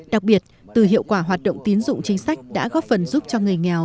đặc biệt từ hiệu quả hoạt động tín dụng chính sách đã góp phần giúp cho người nghèo